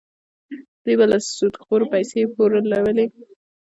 دوی به له سودخورو پیسې پورولې.